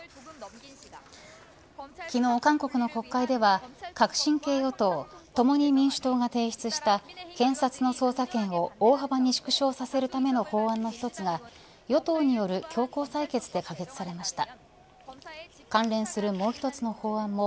昨日、韓国の国会では革新系与党共に民主党が提出した検察の捜査権を大幅に縮小させるための法案の一つが与党による強行採決で可決されました。